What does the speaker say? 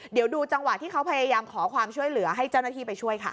เดี๋ยวดูจังหวะที่เขาพยายามขอความช่วยเหลือให้เจ้าหน้าที่ไปช่วยค่ะ